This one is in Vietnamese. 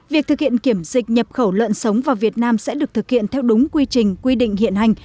việc thực hiện kiểm dịch nhập khẩu lợn sống vào việt nam sẽ được thực hiện theo đúng quy trình quy định hiện hành